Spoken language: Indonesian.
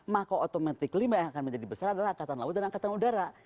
maka otomatis lima yang akan menjadi besar adalah angkatan laut dan angkatan udara